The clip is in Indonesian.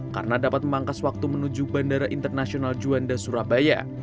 karena dapat memangkas waktu menuju bandara internasional juanda surabaya